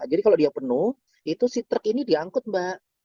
jadi kalau dia penuh itu si truk ini diangkut mbak